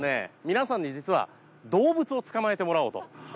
皆さんに実は動物を捕まえてもらおうと。